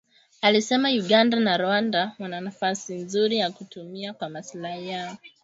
alisema Uganda na Rwanda wana nafasi nzuri ya kutumia kwa maslahi yao